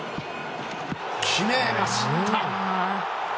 決めました！